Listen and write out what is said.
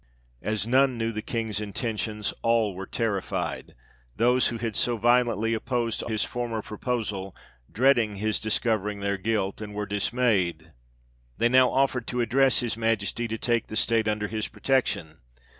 As none knew the King's intentions, all were terrified ; those who had so violently opposed his former pro posal, dreaded his discovering their guilt, and were dis mayed ; they now offered to address his Majesty to take the state under his protection.